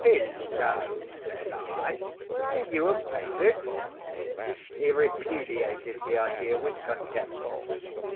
"Hillo!" says I, "are you a Papist?" He repudiated the idea with contempt.